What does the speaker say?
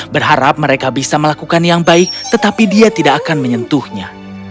berharap mereka bisa melakukan yang baik tetapi dia tidak akan menyentuhnya